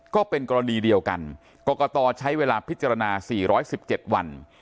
ก็เป็นกรณีเดียวกันกรกตใช้เวลาพิจารณา๔๑๗วัน